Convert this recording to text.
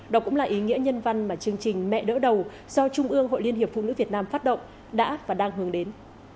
đó cũng là ý nghĩa nhân văn mà chương trình mẹ đỡ đầu do trung ương hội liên hiệp phụ nữ việt nam phát động đã và đang hướng đến